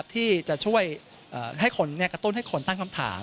ที่จะช่วยให้คนกระตุ้นให้คนตั้งคำถาม